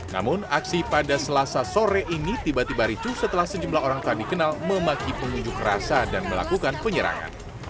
namun aksi pada selasa sore ini tiba tiba ricu setelah sejumlah orang tak dikenal memaki pengunjuk rasa dan melakukan penyerangan